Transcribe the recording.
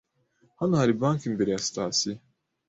Hano hari banki imbere ya sitasiyo.